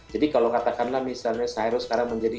jadi kalau katakanlah misalnya cyrus sekarang menjadi